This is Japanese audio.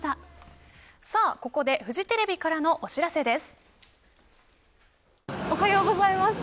ここでフジテレビからのお知らせです。